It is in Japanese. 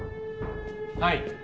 はい。